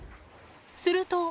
すると。